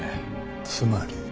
つまり？